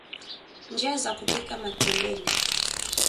njia za kupika matembele